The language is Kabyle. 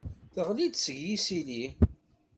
Teɣli-d seg yisili.